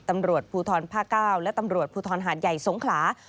ตำรวจภูทรภาค๙และตำรวจภูทรหาดใหญ่สงขลา